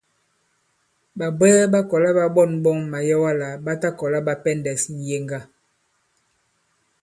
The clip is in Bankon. Ɓàbwɛɛ ɓa kɔ̀la ɓa ɓɔ̂ŋ ɓɔn màyɛwa lā ɓa ta kɔ̀la ɓa pɛndɛ̄s ŋ̀yeŋga.